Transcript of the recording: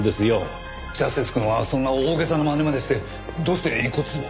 正義くんはそんな大げさな真似までしてどうして遺骨を？